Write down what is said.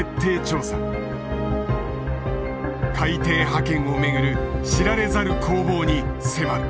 海底覇権をめぐる知られざる攻防に迫る。